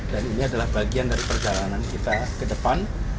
dan ini adalah bagian dari perjalanan kita ke depan